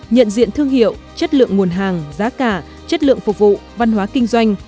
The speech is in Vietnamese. nhận diện thương hiệu chất lượng nguồn hàng giá cả chất lượng phục vụ văn hóa kinh doanh